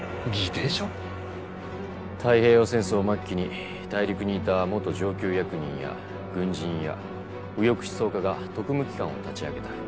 太平洋戦争末期に大陸にいた元上級役人や軍人や右翼思想家が特務機関を立ち上げた。